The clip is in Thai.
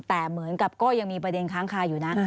แต่เหมือนกับก็ยังมีประเด็นค้างคาอยู่นะ